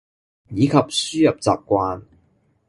以及輸入習慣